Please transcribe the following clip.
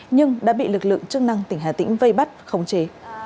nhưng đã bị lực lượng chức năng tỉnh hà tĩnh vây bắt khống chế